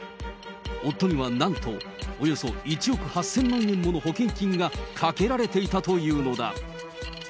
夫にはなんと、およそ１億８０００万円もの保険金がかけられていたというのだ。